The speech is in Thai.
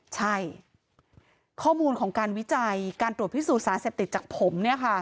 ใช่ข้อมูลของการวิจัยการตรวจพิสูจนสารเสพติดจากผม